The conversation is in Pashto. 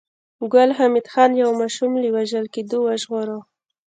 ګل حمید خان يو ماشوم له وژل کېدو وژغوره